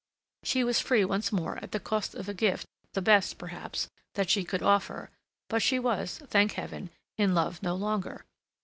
She was free once more at the cost of a gift, the best, perhaps, that she could offer, but she was, thank Heaven, in love no longer.